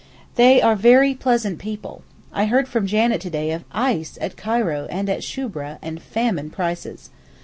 They are very pleasant people. I heard from Janet to day of ice at Cairo and at Shoubra, and famine prices.